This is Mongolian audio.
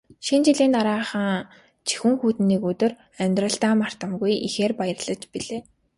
Шинэ жилийн дараахан жихүүн хүйтэн нэг өдөр амьдралдаа мартамгүй ихээр баярлаж билээ.